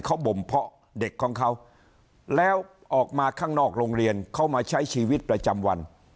เขาบ่มเพาะเด็กของเขาแล้วออกมาข้างนอกโรงเรียนเขามาใช้ชีวิตประจำวัน